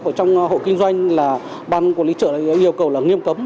ở trong hộ kinh doanh là ban quản lý chợ yêu cầu là nghiêm cấm